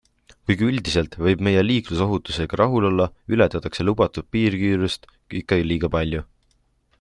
Kuigi üldiselt võib meie liiklusohutusega rahul olla, ületatakse lubatud piirkiirust ikka liiga palju.